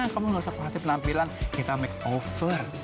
kamu gak usah khawatir penampilan kita makeover